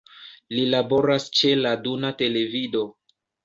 Li laboras ĉe la Duna Televido.